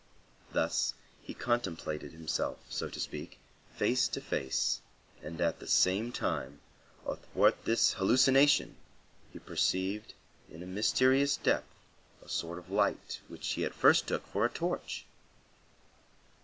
Thus he contemplated himself, so to speak, face to face, and at the same time, athwart this hallucination, he perceived in a mysterious depth a sort of light which he at first took for a torch.